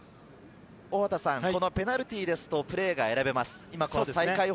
ペナルティーですとプレーが選べます。